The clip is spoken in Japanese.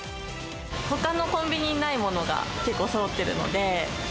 ほかのコンビニにないものが結構そろってるので。